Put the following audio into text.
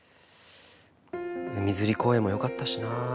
「海釣り公園」もよかったしなぁ。